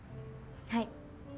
はい。